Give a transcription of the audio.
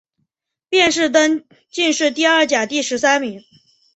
殿试登进士第二甲第十三名。